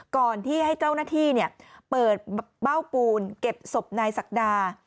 ก่อนที่ให้เจ้าหน้าที่เปิดเบ้าปูนเก็บศพนายศักดา